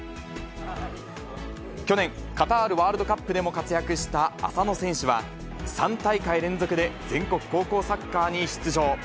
去年、カタールワールドカップでも活躍した浅野選手は、３大会連続で全国高校サッカーに出場。